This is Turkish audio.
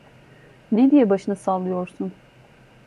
Ne diye başını sallıyorsun?